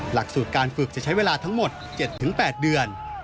หลักสูตรการฝึกจะใช้เวลาทั้งหมด๗๘เดือน